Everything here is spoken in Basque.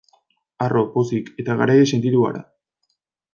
Harro, pozik eta garaile sentitu gara.